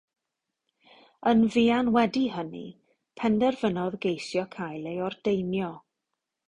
Yn fuan wedi hynny, penderfynodd geisio cael ei ordeinio.